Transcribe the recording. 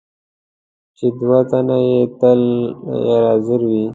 چې دوه تنه یې تل غیر حاضر وي.